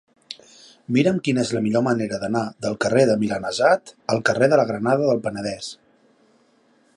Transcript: Mira'm quina és la millor manera d'anar del carrer del Milanesat al carrer de la Granada del Penedès.